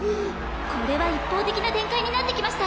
これは一方的な展開になってきました